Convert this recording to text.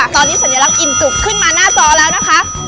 ตอนนี้สัญลักษณ์อิ่มจุกขึ้นมาหน้าจอแล้วนะคะ